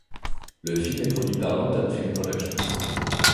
Le film est produit par London Film Productions.